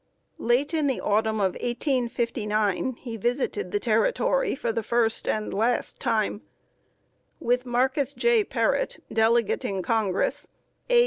Late in the Autumn of 1859 he visited the Territory for the first and last time. With Marcus J. Parrott, Delegate in Congress, A.